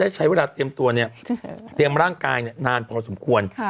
ใช้เวลาเตรียมตัวเนี่ยเตรียมร่างกายนานพอสมควร